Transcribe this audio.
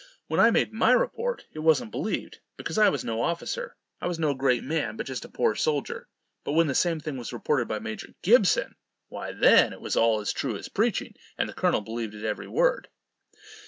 When I made my report, it wasn't believed, because I was no officer; I was no great man, but just a poor soldier. But when the same thing was reported by Major Gibson!! why, then, it was all as true as preaching, and the colonel believed it every word.